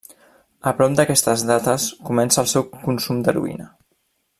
A prop d'aquestes dates comença el seu consum d'heroïna.